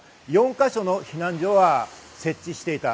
４か所の避難所は設置していた。